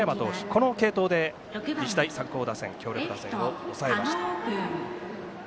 この継投で日大三高打線強力打線を抑えました。